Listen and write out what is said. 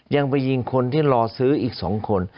ยังไปยิงคนที่รอซื้ออีก๒คน